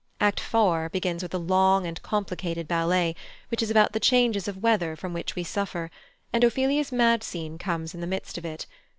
Act iv. begins with a long and complicated ballet, which is about the changes of weather from which we suffer, and Ophelia's "mad scene" comes in the midst of it.